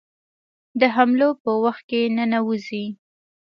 د حملو په وخت کې ننوزي.